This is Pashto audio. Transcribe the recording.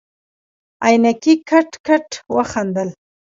عينکي کټ کټ وخندل.